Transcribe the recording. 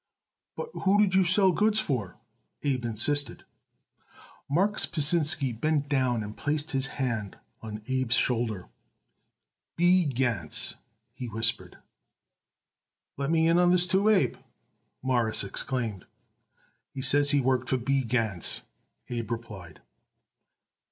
"But who did you sell goods for?" Abe insisted. Marks Pasinsky bent down and placed his hand on Abe's shoulder. "B. Gans," he whispered. "Let me in on this, too, Abe," Morris exclaimed. "He says he worked for B. Gans," Abe replied.